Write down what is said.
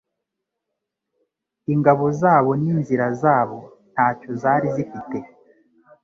ingabo zabo n'inzira zabo ntacyo zari zifite